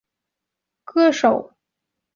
她在朱利亚德学校被培养成为一名歌剧歌手。